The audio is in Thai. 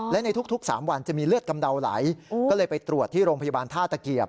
และในทุก๓วันจะมีเลือดกำเดาไหลก็เลยไปตรวจที่โรงพยาบาลท่าตะเกียบ